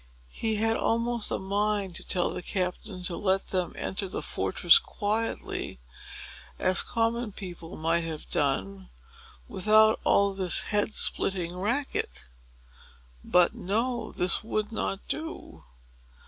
He had almost a mind to tell the captain to let them enter the fortress quietly, as common people might have done, without all this head splitting racket. But no; this would not do.